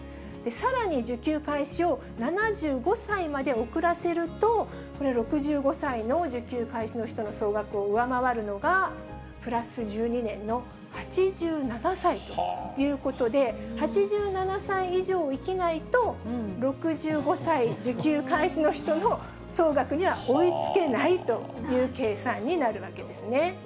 さらに受給開始を７５歳まで遅らせると、これ、６５歳の受給開始の人の総額を上回るのが、プラス１２年の８７歳ということで、８７歳以上生きないと、６５歳受給開始の人の総額には追いつけないという計算になるわけですね。